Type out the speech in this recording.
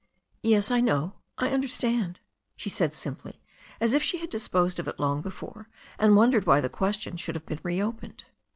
"Yes, I know. I understand," she said simply, as if she had disposed of it long before, and wondered why the ques tion should have been reopened.